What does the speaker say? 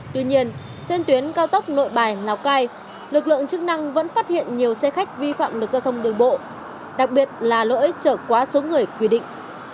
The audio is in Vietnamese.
tuy nhiên trên tuyến cao tốc nội bài lào cai lực lượng chức năng vẫn phát hiện nhiều xe khách vi phạm lực giao thông đường bộ đặc biệt là lỗi trở quá số người quy định